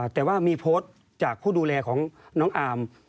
แต่ว่ามีโพสต์จากผู้ดูแลของน้องอาร์ม